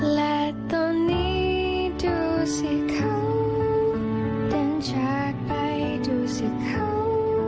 และตอนนี้ดูสิเขาเป็นชาติไปดูสิเขา